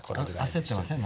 焦ってません？